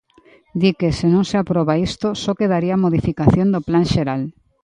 Di que, se non se aproba isto, só quedaría a modificación do plan xeral.